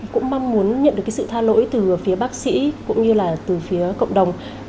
cũng mong muốn nhận được cái sự tha lỗi từ phía bác sĩ cũng như là từ phía cộng đồng